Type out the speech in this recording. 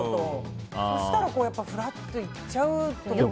そしたらふらっといっちゃうと思います。